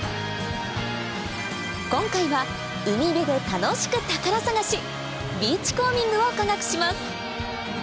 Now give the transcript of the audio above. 今回は海辺で楽しく宝探しビーチコーミングを科学します